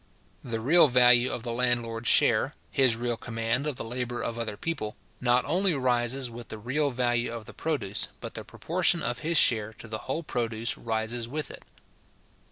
The real value of the landlord's share, his real command of the labour of other people, not only rises with the real value of the produce, but the proportion of his share to the whole produce rises with it.